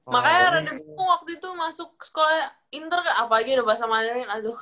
makanya reda gue waktu itu masuk sekolah inter apa lagi ada bahasa mandarin aduh